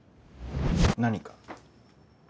何か？